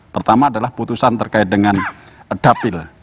pertama adalah putusan terkait dengan dapil